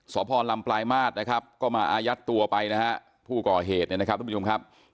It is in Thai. สรลำปลายมาทก็มาอายัดตัวไปนะครับผู้ก่อเหตุนะครับท่านผู้ชมครับ